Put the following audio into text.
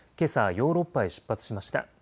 ヨーロッパへ出発しました。